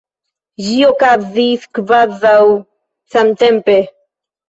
Ĝi okazis kvazaŭ samtempe.